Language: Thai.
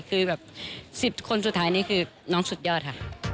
คือแบบ๑๐คนสุดท้ายนี่คือน้องสุดยอดค่ะ